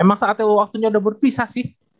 emang saatnya waktunya udah berpisah sih